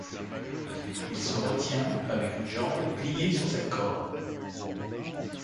Il se retient avec une jambe pliée sur cette corde.